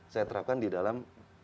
saya terapkan di dalam